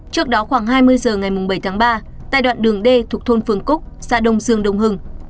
trước đó khoảng hai mươi h ngày bảy tháng ba tại đoạn đường d thuộc thôn phường cúc xã đông dương đông hưng